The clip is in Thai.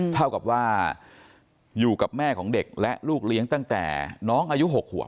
เท่ากับว่าอยู่กับแม่ของเด็กและลูกเลี้ยงตั้งแต่น้องอายุ๖ขวบ